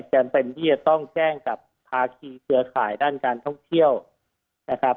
จำเป็นที่จะต้องแจ้งกับภาคีเครือข่ายด้านการท่องเที่ยวนะครับ